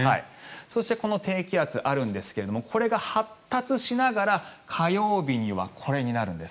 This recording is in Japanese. そして、低気圧あるんですがこれが発達しながら火曜日にはこれになるんです。